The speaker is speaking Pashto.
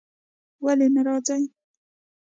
ولی نه راځی ؟